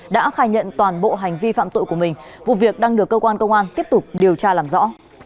đã khai nhận toàn bộ hành vi phạm tội của mình vụ việc đang được cơ quan công an tiếp tục điều tra làm rõ